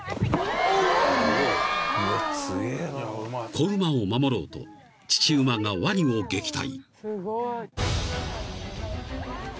［子馬を守ろうと父馬がワニを撃退］